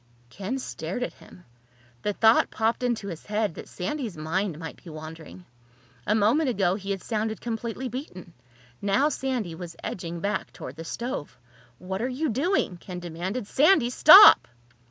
Ken stared at him. The thought popped into his head that Sandy's mind might be wandering. A moment ago he had sounded completely beaten. Now Sandy was edging back toward the stove. "What are you doing?" Ken demanded. "Sandy, stop!"